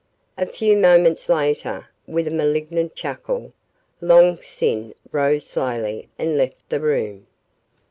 A few moments later, with a malignant chuckle, Long Sin rose slowly and left the room.